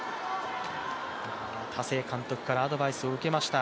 田勢監督からアドバイスを受けました。